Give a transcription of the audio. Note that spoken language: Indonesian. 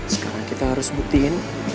sekarang kita harus buktiin